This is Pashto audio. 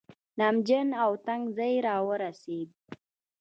نمجن او تنګ ځای راورسېد.